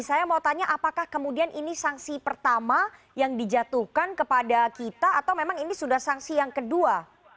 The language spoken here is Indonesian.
saya mau tanya apakah kemudian ini sanksi pertama yang dijatuhkan kepada kita atau memang ini sudah sanksi yang kedua